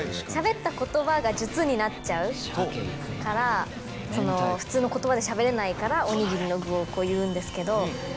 しゃべった言葉が術になっちゃうから普通の言葉でしゃべれないからおにぎりの具を言うんですけど。